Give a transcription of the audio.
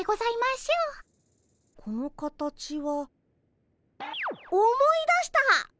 この形は思い出した！